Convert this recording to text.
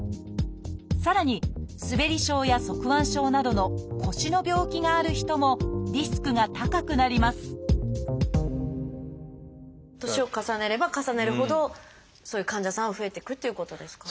さらに「すべり症」や「側弯症」などの腰の病気がある人もリスクが高くなります年を重ねれば重ねるほどそういう患者さんは増えていくっていうことですか？